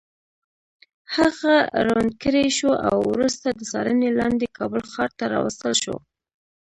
هغه ړوند کړی شو او وروسته د څارنې لاندې کابل ښار ته راوستل شو.